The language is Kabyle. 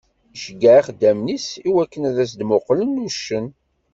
Iceyyeε ixeddamen-is i wakken ad as-d-muqqlen uccen.